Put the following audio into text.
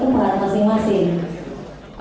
kembali ke tempat masing masing